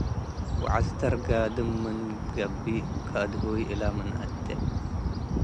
ወዐስተር ጋድም ምን ትገብእ - ከአድሁይ እለ ምን አቴ